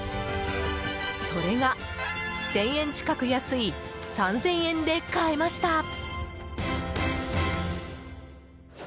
それが１０００円近く安い３０００円で買えました。